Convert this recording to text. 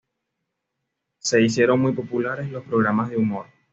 Se hicieron muy populares los programas de humor.